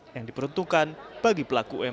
yang diperuntukkan oleh kementerian kesehatan